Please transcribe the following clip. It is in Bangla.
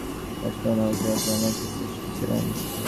কাঞ্চনপুর নগরে সাগরদত্ত নামে এক শ্রেষ্ঠী ছিলেন।